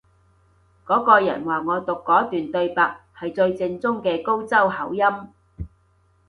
嗰個人話我讀嗰段對白係最正宗嘅高州口音